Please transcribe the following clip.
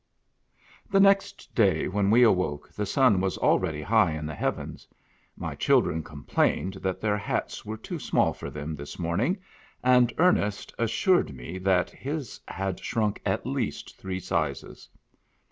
HE next day when we awoke the sun was already high in the heavens. My children complained that their hats were too small for them this morning, and Ernest assured me that his had shrunk at least three sizes.